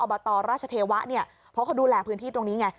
บตราชเทวะเนี่ยเพราะเขาดูแลพื้นที่ตรงนี้ไง